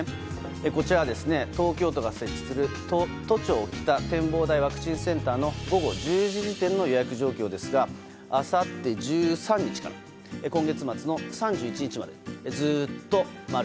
こちらは東京都が設置する都庁北展望台ワクチンセンターの午後１０時時点の予約状況ですがあさって１３日から今月末の３１日までずっと〇。